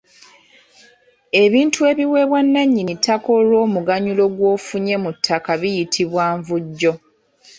Ebintu ebiweebwa nnannyini ttaka olw’omuganyulo gw’ofunye mu ttaka biyitibwa Nvujjo.